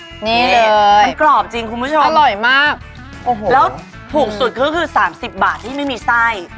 นี่เลยอร่อยมากมันกรอบจริงคุณผู้ชมแล้วถูกสุดก็คือ๓๐บาทที่ไม่มีไส้